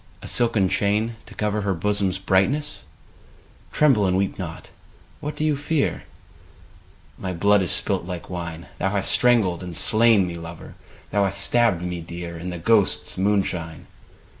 A silken chain, to cover Her bosom's brightness ? (Tremble and weep not : what dost thou fear ?)— My blood is spUt like wine, Thou hast strangled and slain me, lover. Thou hast stabbed me dear. In the ghosts' moonshine.